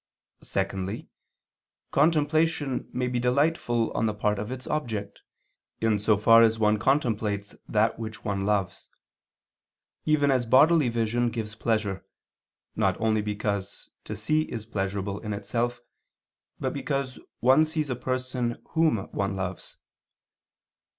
Secondly, contemplation may be delightful on the part of its object, in so far as one contemplates that which one loves; even as bodily vision gives pleasure, not only because to see is pleasurable in itself, but because one sees a person whom one loves.